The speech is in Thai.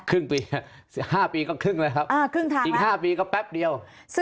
ครึ่งปีครับ๕ปีก็ครึ่งแล้วครับอีก๕ปีก็แป๊บเดียว